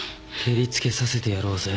けりつけさせてやろうぜ。